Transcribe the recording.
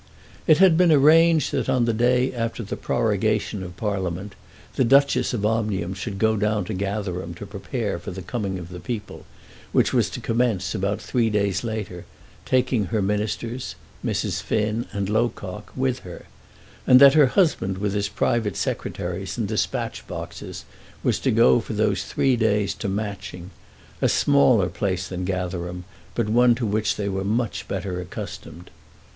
It had been arranged that on the day after the prorogation of Parliament the Duchess of Omnium should go down to Gatherum to prepare for the coming of the people, which was to commence about three days later, taking her ministers, Mrs. Finn and Locock, with her; and that her husband with his private secretaries and dispatch boxes was to go for those three days to Matching, a smaller place than Gatherum, but one to which they were much better accustomed.